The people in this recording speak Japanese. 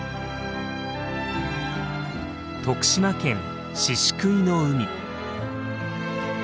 徳島県宍喰の海。